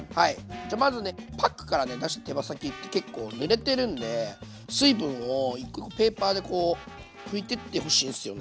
じゃあまずねパックから出した手羽先って結構ぬれてるんで水分をペーパーでこう拭いてってほしいんすよね。